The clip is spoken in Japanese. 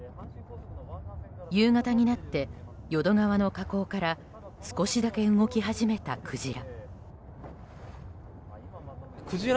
夕方になって、淀川の河口から少しだけ動き始めたクジラ。